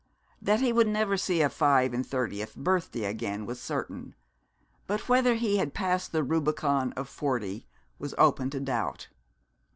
That he would never see a five and thirtieth birthday again was certain; but whether he had passed the Rubicon of forty was open to doubt.